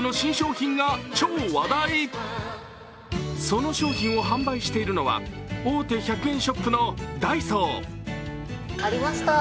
その商品を販売しているのは大手１００円ショップのダイソー。